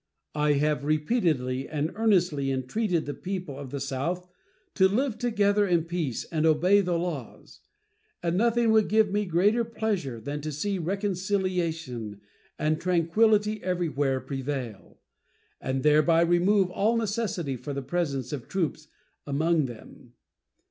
I have repeatedly and earnestly entreated the people of the South to live together in peace and obey the laws; and nothing would give me greater pleasure than to see reconciliation and tranquillity everywhere prevail, and thereby remove all necessity for the presence of troops among them.